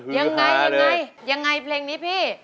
ยังไงยังไงเพลงนี้พี่